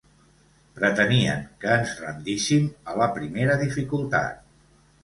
Pretenien que ens rendíssim a la primera dificultat.